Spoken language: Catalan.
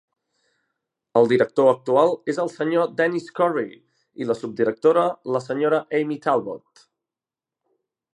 El director actual és el Sr. Dennis Corry i la subdirectora la Sra. Amy Talbot.